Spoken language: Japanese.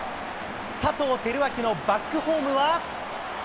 佐藤輝明のバックホームは。